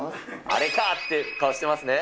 あれかって顔してますね。